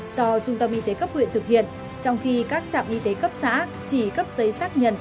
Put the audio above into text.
do trung tâm y tế cấp huyện thực hiện trong khi các trạm y tế cấp xã chỉ cấp giấy xác nhận